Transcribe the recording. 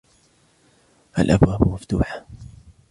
الأبواب مفتوحة.